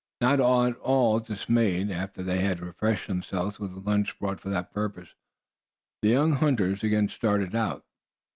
Not at all dismayed, after they had refreshed themselves with the lunch brought for that purpose, the young hunters again started out.